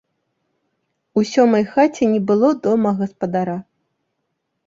У сёмай хаце не было дома гаспадара.